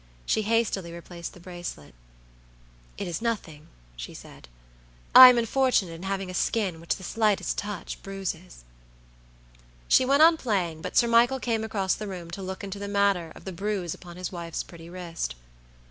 She hastily replaced the bracelet. "It is nothing," she said. "I am unfortunate in having a skin which the slightest touch bruises." She went on playing, but Sir Michael came across the room to look into the matter of the bruise upon his wife's pretty wrist.